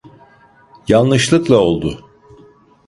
Yanlışlıkla oldu.